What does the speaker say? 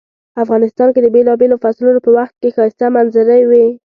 افغانستان کې د بیلابیلو فصلونو په وخت کې ښایسته منظرۍ وی